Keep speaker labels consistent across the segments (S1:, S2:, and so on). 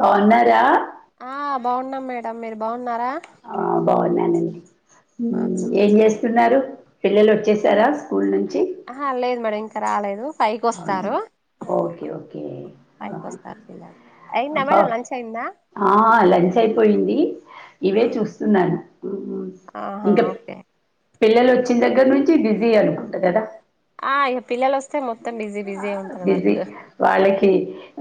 S1: బాగున్నారా
S2: ఆ బాగున్నాం మేడం మీరు బాగున్నారా
S1: ఆ బాగున్నానండి
S2: ఆ
S1: ఏం చేస్తున్నారు పిల్లలు వచ్చేసారా స్కూల్ నుంచి
S2: ఆ లేదు మేడం ఇంకా రాలేదు ఫైవ్ కి
S1: అవునా
S2: వస్తారు
S1: ఓకే ఓకే
S2: ఫైవ్
S1: ఆ
S2: కి
S1: హ
S2: వస్తారు పిల్లలు అయిందా
S1: అప్పా
S2: మేడం లంచ్ అయిందా
S1: లంచ్ అయిపోయింది ఇవే చూస్త న్నాను
S2: ఆహా
S1: ఇంకా
S2: ఓకే
S1: పిల్లలు వచ్చిన దగ్గర నుంచి బిజీ అనుకుంటా కదా
S2: ఆ ఇగ పిల్లలు వస్తే మొత్తం బిజీ బిజీ అయితారు
S1: బిజీ
S2: వర్క్
S1: వాళ్ళకి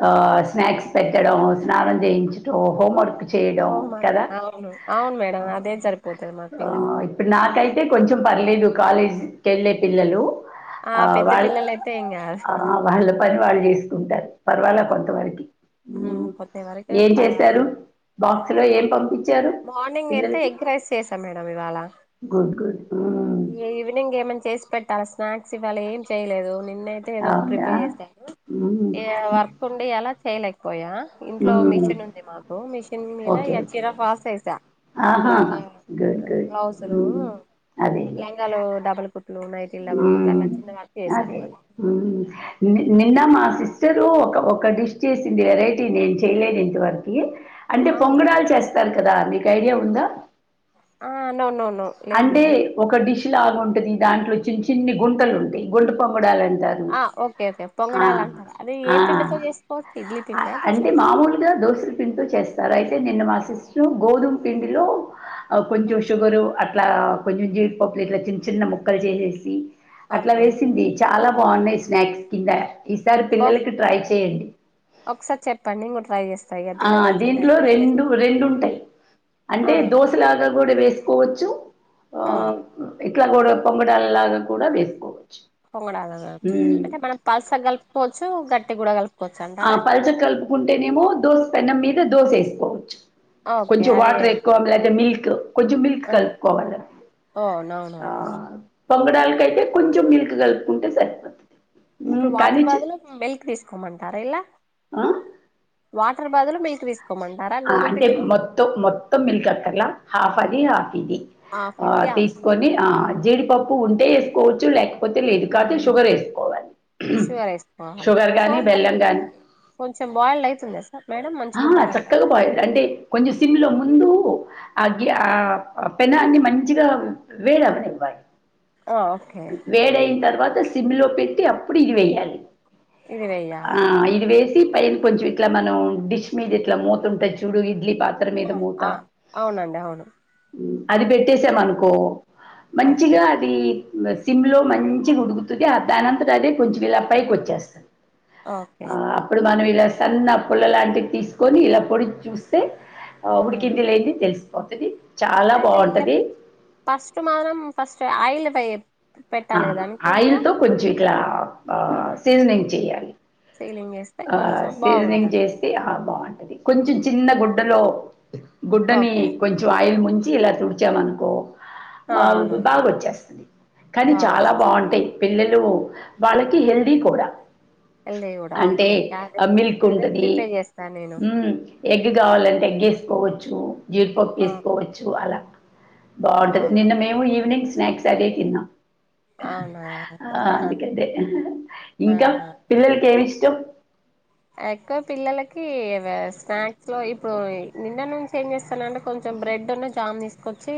S1: ఆ స్నాక్స్ పెట్టడం స్నానం చేయించడం హోంవర్క్ చేయడం
S2: హఓ మా
S1: కదా
S2: అవును అవును మేడమ్ అదే సరిపోతాది మా
S1: ఆ
S2: పిల్లలతో
S1: ఇప్పుడు నాకైతే కొంచెం పర్లేదు కాలేజ్కి కెళ్ళే పిల్లలు
S2: ఆ పెద్ద పిల్లల అయితే ఏం కాదు
S1: ఆ వాళ్ళ పని వాళ్ళు చేసుకుంటారు పర్వాలా కొంతవరకి
S2: హమ్ కొద్ది వరకు
S1: ఏం
S2: పర్వాలే
S1: చేశారు బాక్స్లో
S2: మా
S1: ఏం పంపించారు
S2: మార్నింగ్ అయితే
S1: పిల్లలకి
S2: ఎగ్ రైస్ చేసాం మేడమ్ ఇవాళ
S1: గుడ్ గుడ్ ఆ
S2: ఈవినింగ్ ఏమన్నా చేసి పెట్టాలా స్నాక్స్ ఇవ్వాల ఏం చేయలేదు నిన్నయితే అ ఏదో ఒక
S1: అవునా
S2: ప్రిపేర్ చేసాను
S1: ఉమ్,
S2: ఈ వర్క్ ఉండి అలా చేయలేకపోయా ఇంట్లో
S1: ఉమ్,
S2: మిషన్ ఉంది మాకు మిషన్ మీద
S1: ఓకే
S2: ఇగా
S1: ఓకే
S2: చీరా ఫాల్స్ వేశా
S1: ఆహా
S2: లాంగా
S1: గుడ్ గుడ్
S2: బ్లౌసు లు
S1: ఉమ్, అదే
S2: లంగాలు డబల్ కుట్లు నైటిలు డబుల్ కుట్లు
S1: ఉమ్
S2: అలా చిన్న వర్క్ చేసాను
S1: అదే
S2: అన్న మాట
S1: ఉమ్ నిన్న మా సిస్టరు ఒక డిష్ చేసింది వెరైటీ నేను చేయలేదు ఇంతవరకు అంటే
S2: అవునా
S1: పొంగణాలు చేస్తారు కదా నీకు ఐడియా ఉందా
S2: ఆ అవునవును
S1: అంటే ఒక డిష్ లాగా ఉంటుంది దాంట్లో చిన్న చిన్ని గుంటలు ఉంటాయి గుంట పొంగడాలంటారు
S2: ఆ ఓకే ఓకే పొంగడాలు అంటారు అది ఏ పిండితో
S1: ఆ
S2: చేసుకోవచ్చు ఇడ్లీ పిండా దోశపిండి
S1: దోసలు పిండితో చేస్తారు అయితే నిన్న మా సిస్టరు గోధుమ పిండిలో కొంచెం షుగరు అట్లా కొంచెం జీడిపప్పులు ఇట్లా చిన్న చిన్న ముక్కలు చేసేసి అట్లా
S2: ఓకే
S1: వేసింది చాలా బాగున్నాయి స్నాక్స్ కింద ఈసారి
S2: బా
S1: పిల్లలకి ట్రై చేయండి
S2: ఒకసారి చెప్పండి నేను కూడా ట్రై చేస్తా ఇక
S1: ఆ
S2: పిల్లలు వచ్చే
S1: దీంట్లో
S2: టైంకి
S1: రెండు
S2: చేస్తా
S1: రెండు ఉంటాయి
S2: ఆ
S1: అంటే దోశ లాగా కూడా వేసుకోవచ్చు ఆ ఇట్లా కూడా పొంగనాల లాగా కూడా వేసుకోవచ్చు
S2: పొంగడాలనా
S1: ఉమ్.
S2: అంటే మనం పల్సాగ కలుపుకోవచ్చు గట్టిగా కూడా కలు
S1: ఆ పల్చగా కలుపుకుంటేనేమో దోస పెన్నం మీద దోస వేసుకోవచ్చు
S2: ఓకే
S1: కొంచెం
S2: అదే
S1: వాటర్ ఎక్కువ లేక మిల్క్ కొంచెం మిల్క్
S2: ఓ
S1: కలుపుకోవాలి
S2: అవునవునవును
S1: ఆ పొంగడాలకయితే కొంచెం మిల్క్ కలుపుకుంటే సరిపోతుంది
S2: ఇప్పుడు
S1: మ్, కానీ
S2: వాటర్
S1: చి-
S2: బదులు మిల్క్ తీసుకోమంటారా ఇలా
S1: ఆ
S2: వాటర్ బదులు మిల్క్ తీసుకోమంటారా
S1: ఆ
S2: గోధుమ
S1: అంటే
S2: పిండిలో
S1: మొత్తం మొత్తం మిల్క్ అక్కర్లా హాఫ్ అది హాఫ్ ఇది
S2: హాఫ్
S1: ఆ
S2: ఇది
S1: తీ
S2: హాఫ్
S1: కొని అ జీడిపప్పు ఉంటే వేసుకోవచ్చు లేకపోతే లేదు కాబట్టి షుగర్ వేసుకోవాలి
S2: షూగర్ వేసుకోవాలి
S1: షుగర్
S2: సో
S1: కానీ
S2: మరి
S1: బెల్లం కానీ
S2: కొంచెం బాయిల్డ్ అయితుంద సర్ మేడం మంచిగు
S1: చక్కగా బాయిల్డ్ అంటే కొంచెం సిమ్లో ముందు అగ్గి ఆ పెనాన్ని మంచిగా వేడి అవ్వానివ్వాలి
S2: ఓకే
S1: వేడైనా తర్వాత సిమ్ లో పెట్టి అప్పుడు ఇది వేయ్యాలి
S2: ఇది
S1: ఆ
S2: వేయాలి
S1: ఇది వేసి పైన కొంచెం ఇట్లా మనం డిష్ మీద ఇట్లా మోతుంటాది చూడు ఇడ్లీ పా కుక్కర్ మీద
S2: ఆ,
S1: మూత
S2: ఆ, అవునండి అవును
S1: అది పెట్టేసామనుకో
S2: ఓకే
S1: మంచిగా అది సిమ్ లో మంచిగా ఉడుకుతుది దాని అంతటా అదే కొంచెం ఇలా పైకి వచ్చేస్తంది
S2: ఓకే
S1: ఆ అప్పుడు మనం ఇలా సన్న పుల్ల లాంటివి తీసుకొని ఇ పొడిచి చూస్తే
S2: ఆ,
S1: ఉడికిందో లేదో తెలిసిపోతది
S2: అయితే ఫస్ట్ మానం ఫస్ట్ ఆయిల్ల వే
S1: ఆ ఆయిల్ తో కొంచెం ఇట్లా ఆ అ సీజనింగ్ చేయాలి
S2: సీలింగ్
S1: ఆ
S2: కొంచెం
S1: సీజనింగ్
S2: బాగుంటది
S1: చేస్ ఆ బాగుంటది కొంచెం చిన్న గుడ్డలో గుడ్డని
S2: ఓకే
S1: కొంచెం ఆయిల్ ముంచి ఇలా తుడిచామనుకో ఆ బాగా వచ్చేస్తది కానీ చాలా
S2: బాగొచ్చు
S1: బాగుంటాయి పిల్లలు వాళ్ళకి హెల్దీ కూడా
S2: ఎల్ [unintelligible]
S1: అంటే ఆ మిల్క్ ఉంటది
S2: చేస్తాను నేను
S1: ఉమ్ ఎగ్ కావాలంటే ఎగ్ వేసుకోవచ్చు జీడిపప్పు
S2: ఆ
S1: వేసుకోవచ్చు అలా
S2: ఆ
S1: బాగుంటది నిన్న మేము ఈవినింగ్ స్నాక్స్ అదే తిన్నాం
S2: అవునా
S1: ఆ అందుకంటే ఇంకా
S2: అవునా
S1: పిల్లలకి ఏమి ఇష్టం
S2: ఎక్కువ పిల్లలకి స్నాక్స్ లో ఇప్పుడు నిన్న నుంచి ఏం చేస్తానంటే కొంచెం బ్రెడ్ ను జామ్ తీసుకొచ్చి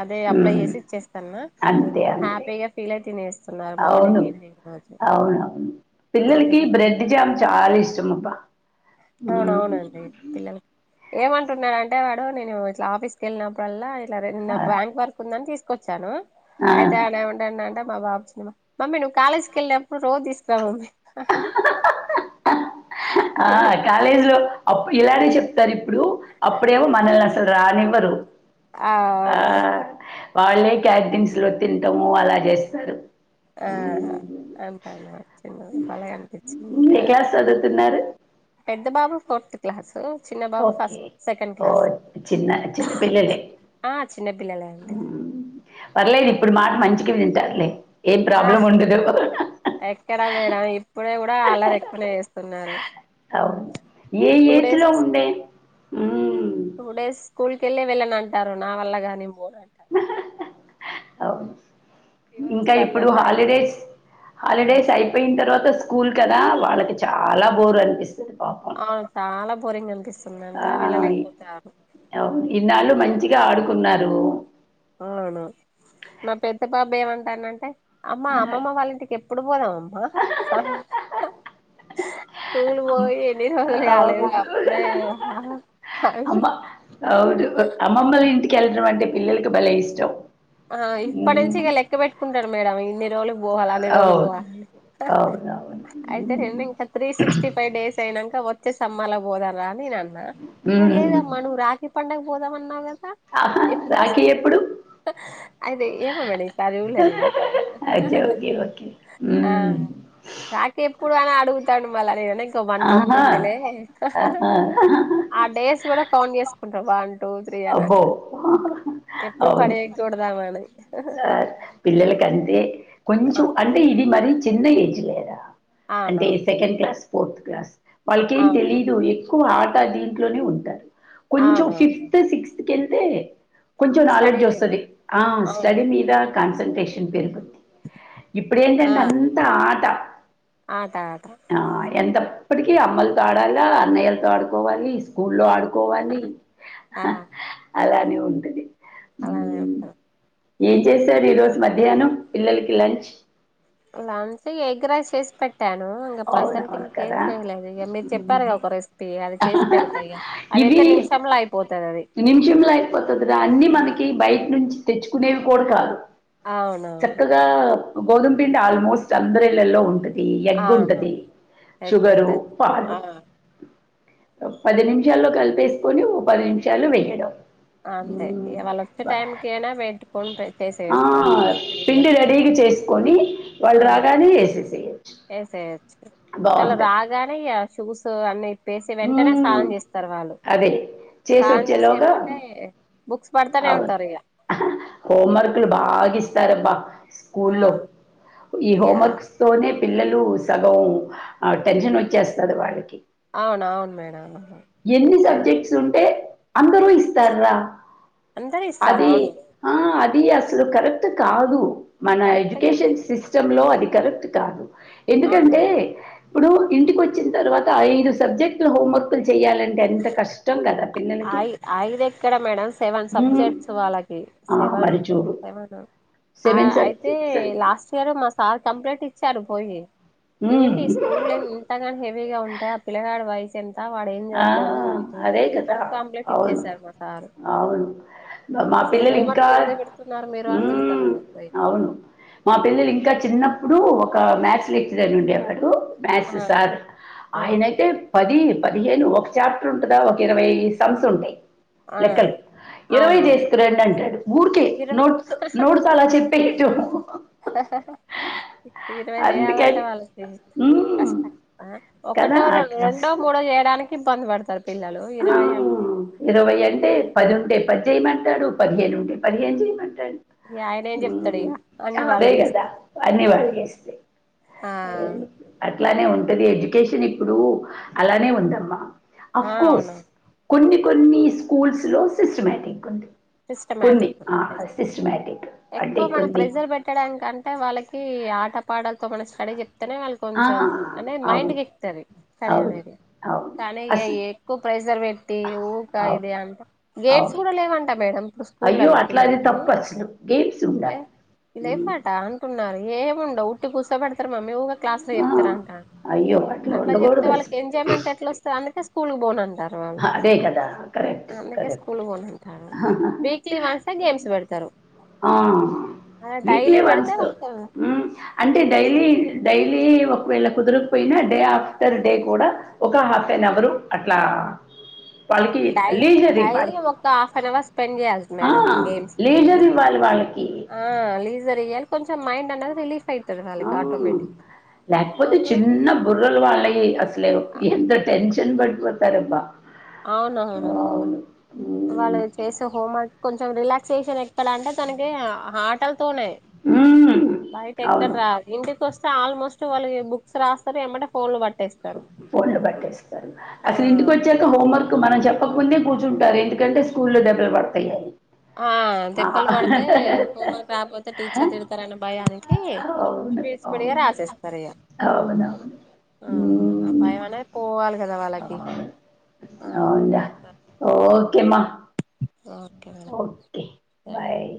S2: అదే అప్లై
S1: మ్మ్.
S2: చేసి ఇచ్చేస్తాన్నా
S1: అంతే అంతే
S2: హ్యాపీగా ఫీల్ అయి తినేస్తున్నారు
S1: అవును.
S2: మార్నింగ్ ఈవినింగ్ రోజు
S1: అవునవును పిల్లలకి
S2: హ్యాపీగా ఫీల్
S1: బ్రెడ్ జామ్ చాలా ఇష్టం అబ్బా
S2: అవున అవునండి పిల్లలకి ఏమంటున్నాడంటే వాడు నేను ఇట్లా ఆఫీసుకి వెళ్ళినప్పుడల్లా నిన్న
S1: ఆ!
S2: బ్యాంక్ వర్క్ ఉందని తీసుకొచ్చాను
S1: ఆ!
S2: అయితే ఆడు ఏమిఅంటాడు అంటే మా బాబు మమ్మీ నువ్వు కాలేజీకి వెళ్ళినప్పుడు రోజు తీసుకురా మమ్మీ హ్ హ్
S1: ఆ కాలేజీలో అప్పు ఇలానే చెప్తారు ఇప్పుడు అప్పుడేమో మనల్ని అసలు రానివ్వరు
S2: ఆ
S1: అ
S2: అవును
S1: వాళ్ళే క్యాటరింగ్స్ లో తింటము అలా చేస్తారు
S2: ఆ అంటాను చిన్నది భలే
S1: ఏ
S2: కనిపిచిందిగా
S1: క్లాస్ చదువుతున్నారు?
S2: పెద్ద బాబు ఫోర్త్ క్లాసు చిన్న బాబు
S1: ఓకే.
S2: ఫస్ట్ సెకండ్ క్లాస్
S1: ఓహ్! చిన్న చిన్న పిల్లలే.
S2: ఆ చిన్నపిల్లలే అండి
S1: హ్మ్. పర్లేదు ఇప్పుడు మాట మంచిగే వింటారులే ఏం
S2: ఆ
S1: ప్రాబ్లం ఉండదు హ్ హ్
S2: ఎక్కడా మేడం ఇప్పుడు కూడా అల్లరీ ఎక్కువనే చేస్తున్నారు
S1: ఏ
S2: టూ
S1: ఏజ్ లో
S2: డేస్
S1: ఉండే ఉమ్
S2: టూ డేస్ స్కూల్ కళ్లే వెళ్ళనంటారు నా వల్ల కాదు నేపోనని
S1: అవును
S2: ఫీవర్
S1: ఇంకా
S2: వస్తాంది
S1: ఇప్పుడు
S2: అంటాండు
S1: హాలిడేస్ హాలిడేస్ అయి పోయిన తర్వాత స్కూల్ కధ వాళ్ళకి చాలా బోరు అనిపిస్తది పాపం
S2: అవును చాలా బోరింగ్ అనిపిస్తది
S1: ఆ అవును ఇన్నాళ్ళు మంచిగా ఆడుకున్నారు
S2: అవున నా పెద్ద బాబు ఏమంటాడాంటే అమ్మ అమ్మమ్మ వాళ్ళ ఇంటికి ఎప్పుడు పోదాం అమ్మా స్కూల్
S1: అమ్
S2: పోయి ఎన్ని రోజులు కాలేదు
S1: అవును.
S2: అప్పుడే అవి
S1: అమ్మ అవును అమ్మమ్మల ఇంటికి వెళ్ళడం అంటే పిల్లలకి బలే ఇష్టం
S2: ఆ ఇప్పటి నుంచి
S1: హ్మ్.
S2: ఇగ లెక్క పెట్టుకుంటడు మేడంమ్ ఇన్ని రోజులు పోవాలని అన్నిరోజులు
S1: అవును.
S2: పోవాలి
S1: అవునవును.
S2: అయితే
S1: హ్మ్.
S2: రండి ఇంకా త్రీ సిక్స్టీ ఫైవ్ డేస్ అయినాక వచ్చేసమ్మరలా పోదంరా అనినేను అన్నా
S1: హ్మ్.
S2: లేదమ్మా నువు రాకి పండగ పోదామ అన్నావు కదా
S1: ఆహా రాఖీ ఎప్పుడు
S2: అయితే ఏమో మేడం ఈ సారి చూడలే నేను
S1: ఓకే ఓకే ఓకే
S2: ఆ
S1: మ్మ్.
S2: రాకి ఎప్పుడు అన అడుగుతాడు మళ్ళ నే నా వన్ మంత్
S1: ఆహా
S2: ఉందిలే హ్ హ్
S1: ఆహా.
S2: ఆ డేస్ కూడా కౌంట్ చేసుకుంటడు వన్ టూ త్రీ అని
S1: అబ్బో
S2: అట్లా ఎప్పుడు
S1: అవును
S2: పడేయకూడదామని
S1: సార్ పిల్లలకంటే కొంచెం అంటే ఇది మరి చిన్న ఏజ్ లేదా
S2: అవును
S1: అంటే సెకండ్ క్లాస్ ఫోర్త్ క్లాస్ వాళ్ళకేం
S2: అవును
S1: తెలియదు ఎక్కువ ఆట దీంట్లోనే ఉంటారు కొంచెం
S2: అవును
S1: ఫిఫ్త్ టు సిక్స్త్ వెళ్తే కొంచెం
S2: స్టడీ
S1: నాలెడ్జ్
S2: మీద
S1: వస్తుంది ఆ
S2: అవును
S1: స్టడీ మీద కాన్సన్ట్రేషన్ పెరుగు ఇప్పుడేంటంటే అంత ఆట
S2: ఆట ఆట
S1: ఆ ఎంతప్పటికీ అమ్మలతో ఆడాలా అన్నయ్యలతో ఆడుకోవాలి స్కూల్లో ఆడుకోవాలి
S2: ఆ
S1: అలానే ఉంటది ఊ
S2: అలానే ఉంటారు
S1: ఏం చేశారు ఈ రోజు మధ్యాహ్నం పిల్లలకి లంచ్
S2: లంచ్ ఇగ ఎగ్ రైస్ ఏసి పెట్టాను ప్రజెంట్
S1: అవునవును
S2: ఇంకా ఏం
S1: కదా
S2: చెయలేదు మీరు చెప్పారుకా
S1: మ్మ్.
S2: ఒక రెసిపీ అది చేసి పెడత ఇగ అది
S1: ఇవి
S2: అయితే నిమిషంలో అయిపో పోతది అది
S1: నిమిషంలో అయిపోతదిరా అన్ని
S2: అవును
S1: మనకి బయట నుంచి తెచ్చుకునేవి కూడా కాదు
S2: అవునవును
S1: ఇగ గోధుమ పిండి ఆల్మోస్ట్ అందరి ఇళ్లలో ఉంటుంది ఎగ్
S2: అవును
S1: ఉంటది
S2: ఎగ్
S1: షుగర్
S2: ఉంటది
S1: పాలు
S2: ఆ
S1: పది నిమిషాల్లో కలిపేసుకొని ఓ పది నిమిషాలు వేయడం
S2: అంతే ఇగ వాళ్ళ వచ్చే
S1: బ
S2: టైం కయినా పెట్టుకొని చేసేయవచ్ అంతే స్త్రీడ్ గా
S1: కొని వాళ్ళు రాగానే వేసేసేయ్
S2: ఏసేయచ్ ఆల్ రాగానే ఇగ షూస్ అన్ని వేసి వెంటనే
S1: మ్మ్
S2: స్నానం చేస్తారు వాళ్ళు
S1: అదే
S2: సనమ్ చేసి ఎమ్మటే బుక్స్ పడతానే
S1: అవును
S2: ఉంటారు ఇక
S1: హోంవర్క్లు బాగా ఇస్తారబ్బా
S2: ఆ
S1: స్కూల్లో ఈ
S2: ఇగ
S1: హోంవర్క్స్ తోనే పిల్లలు సగం ఆ టెన్షన్
S2: అయిపో
S1: వచ్చేస్తుంది వాడికి
S2: అవును అవును మేడం
S1: ఎన్ని సబ్జెక్ట్స్ ఉంటే అందరూ ఇస్తార్రా
S2: అందరు ఇస్తారు
S1: అది
S2: అవును
S1: ఆ అది అసలు కరెక్ట్ కాదు మన
S2: కరెక్ట్గా
S1: ఎడ్యుకేషన్ సిస్ స్టం లో అది కరెక్ట్ కాదు
S2: అవును
S1: ఎందుకంటే ఇప్పుడు ఇంటికి వచ్చిన తర్వాత ఐదు సబ్జెక్టులు హోంవర్క్లు చెయాలంటే ఎంత కష్
S2: ఐ ఐదు ఎక్కడ మేడం సెవెన్
S1: హ్మ్.
S2: సబ్జెక్ట్స్ వాళ్ళకి
S1: ఆ!
S2: సెవెన్
S1: మరి చూడు
S2: సెవెన్ ఆ అయితే
S1: సబ్జెక్ట్స్ అంటే
S2: లాస్ట్ ఇయర్ మా సార్ కంప్లైంట్ ఇచ్చారు పోయి
S1: హ్మ్.
S2: ఏంటి స్కూల్ ఎన్ అంతగాని హెవీగా ఉంటాయి ఆ పిల్లగాడు వయసు ఎంత వాడు ఏం
S1: ఆ!
S2: చదువుతాడు
S1: అదే
S2: అనీ
S1: కదా!
S2: కంప్లట్
S1: అవును.
S2: ఇచ్చేసారు మా సారు
S1: అవును.
S2: ఆ
S1: మా
S2: అసలు
S1: పిల్లలు
S2: హోం
S1: ఇంకా
S2: వర్కులు ఎందుకు బెడుతున్నారు మీరు అని
S1: హ్మ్.
S2: తిడతన్నడు పోయి
S1: అవును. మా పిల్లలు ఇంకా చిన్నప్పుడు ఒక మ్యాథ్స్ లెక్చర్ అని ఉండేవాడు మ్యాస్
S2: ఆ
S1: సార్
S2: ఓకే
S1: ఆయనైతే పది పదిహేను ఒక చాప్టర్ ఉంటదా ఒక ఇరవై సంమ్స్ ఉంటయి
S2: ఆ
S1: లెక్కలు ఇరవై
S2: అవునవును
S1: చేసుకర్రండి అంటడు ఊరికే
S2: ఇరవై
S1: నోట్స్ నోట్స్ అలా చెప్పేట్టు చెప్
S2: ఇరవయ్ చేయాలంటే
S1: అందుకని
S2: వాళ్ళకి
S1: హ్మ్.
S2: కష్టం ఆ
S1: కదా!
S2: ఒకటో
S1: ఆ
S2: రొం రెండో
S1: కష్ట
S2: మూడో చేయడానికి ఇబ్బంది పడతరు పిల్లలు ఇరవై అంటే
S1: ఇరవై అంటే పది ఉంటే పది చేయమంటాడు పదిహేనుంటే పదిహేను చేయమంటాడు
S2: ఇగ ఆయనేమి చెప్తడు ఇగ అన్ని
S1: అదే
S2: వల్లే చేస్తే
S1: కదా అన్ని వాళ్ళు
S2: ఆ.
S1: అట్లనే ఉంటది ఎడ్యుకేషన్ ఇప్పుడు అలానే ఉందమ్మా.
S2: ఆ
S1: అఫ్ కోర్స్
S2: అవును
S1: కొన్ని కొన్ని స్కూల్స్ లో సిస్టమేటిక్గా ఉంది. కొన్ని
S2: సిస్టమాటిక్
S1: ఆ సిస్టమటిక్ అంటే కొన్ని.
S2: పెట్టడానికంటే వాళ్ళకి ఆట పాటలతో మన స్టడీ చెప్తేనే.
S1: ఆ,
S2: కొంచెం అనే
S1: అవును
S2: మైండ్కి ఎక్తది స్టడీ
S1: అవును
S2: అనేది.
S1: అవును
S2: కానీ ఇ
S1: అసలు
S2: ఎక్కువ ప్రెజర్ పెట్టి ఊకా
S1: అవును
S2: ఇదే అంట గేమ్స్
S1: అవును
S2: కూడా లేవంటే. మేడం
S1: అయ్యో
S2: స్కూలల్లా
S1: అట్లా అది
S2: పిల్లలకి.
S1: తప్పు అసలు గేమ్స్ ఉండాలి
S2: అంటున్నారు ఏముండవు ఉట్టి కుసో పెడతరు మమ్మీ ఉంటే క్లాస్.
S1: ఆ,
S2: చెల్తారంటండు
S1: అయ్యో అట్లా
S2: అట్ల చెప్తే
S1: ఉండకూడదు
S2: వాళ్కి
S1: అసలు
S2: ఎంజాయ్మెంట్ ఎట్ల వస్తది అందుకే స్కూల్ కి బోను అంటారు.
S1: అదే కదా కరెక్ట్
S2: స్కూల్
S1: కరెక్ట్‌.
S2: కి పోనంటారు వీక్లీ వన్స్ ఏ గేమ్స్ పెడతారు.
S1: ఆ
S2: అలా
S1: వీక్లీ
S2: డైలీ పెడితే
S1: వన్స్
S2: వాళ్ళకి
S1: అంటే
S2: మంచిగా
S1: డైలీ. డైలీ ఒకవేళ కుదరకపోయినా డే ఆఫ్టర్ డే కూడా. ఒక హాఫ్ అన్ అవరు అట్లా. వాళ్ళకి
S2: డై
S1: లీజర్
S2: డైలీ
S1: ఇవ్వాలి
S2: ఒక హాఫ్ అన్ అవర్ స్పెండ్ చేయలీ
S1: ఆ,
S2: మేడం గేమ్స్ కి.
S1: లీజర్ ఇవ్వాలి వాళ్ళకి
S2: ఆ లీజరియ్యలే కొంచెం మైండ్ అన్నది రిలీఫ్ అయితది.
S1: ఆ,
S2: ఆటోమటిగ
S1: లేకపోతే
S2: అబ్బ.
S1: చిన్న బుర్రలు వాళ్ళకి అసలే ఎంత టెన్షన్ పడిపోతార అబ్బా.
S2: అవునవును. వాళ్ళు
S1: మ్మ్.
S2: చేసే హోమ్వర్క్ కొంచెం రిలాక్సేషన్ ఎక్కడ అంటే తనకి ఆట. తోనే
S1: మ్మ్.
S2: బయట ఎక్కడ
S1: అవును
S2: రాదు ఇంటి. వస్తే ఆల్మోస్ట్ వాళ్ళకి బుక్స్ రాస్తరు ఎంబటె ఫోన్లు పట్టేస్తారు.
S1: ఫోన్లు పట్టేస్తారు
S2: ఆ
S1: అసలు ఇంటికి వచ్చేక. హోమ్వర్క్ మనం చెప్పకుందే కూర్చుంటారు ఎందుకంటే స్కూల్లో దెబ్బలు పడతాయిని.
S2: ఆ దెబ్బలు పడితే హోమ్వర్క్ రాకపోతే టీచర్ తిడతారన్న భయనీకి అది‌.
S1: అవును
S2: స్పీడ్ స్పీడ్ గా
S1: అవును
S2: రాసేస్తారు ఇగ.
S1: అవునవును
S2: ఆ అ
S1: ఉమ్,
S2: భయం అనేది పోవాలి కదా వాళ్ళకి. ఓకే
S1: అవుంటా ఓకేమ.
S2: Okay madam thank you.
S1: Bye